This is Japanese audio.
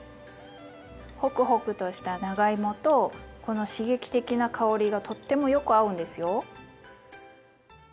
ホクホクとした長芋とこの刺激的な香りがとってもよく合うんですよ。